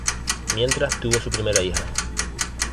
Mientras tuvo su primera hija.